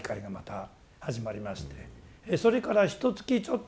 それからひとつきちょっとたちまして